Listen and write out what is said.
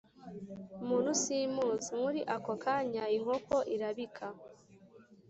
muntu simuzi Muri ako kanya inkoko irabika